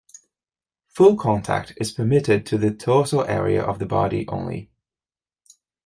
Full contact is permitted to the torso area of the body only.